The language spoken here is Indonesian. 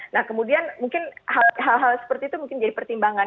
nah kemudian mungkin hal hal seperti itu mungkin jadi pertimbangan